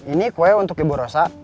ini kue untuk ibu rosa